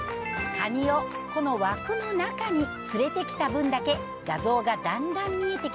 カニをこの枠の中に連れてきた分だけ画像がだんだん見えてきます。